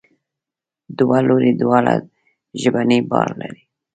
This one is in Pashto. دوه لوري دواړه ژبنی بار لري.